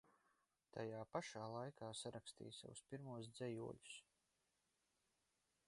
Tajā pašā laikā sarakstīja savus pirmos dzejoļus.